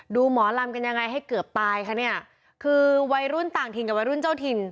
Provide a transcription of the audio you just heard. หมอลำกันยังไงให้เกือบตายคะเนี่ยคือวัยรุ่นต่างถิ่นกับวัยรุ่นเจ้าถิ่น